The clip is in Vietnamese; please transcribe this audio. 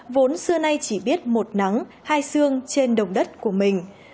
vốn xưa nay chỉ biết một nắng hai xương trên đồng đất của mình